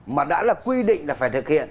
mà đã là quy định là phải thực hiện